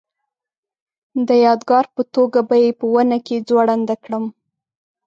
د یادګار په توګه به یې په ونه کې ځوړنده کړم.